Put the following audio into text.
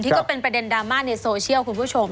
ก็เป็นประเด็นดราม่าในโซเชียลคุณผู้ชม